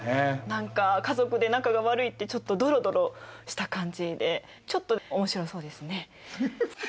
何か家族で仲が悪いってちょっとドロドロした感じでちょっと面白そうですね。